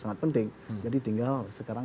sangat penting jadi tinggal sekarang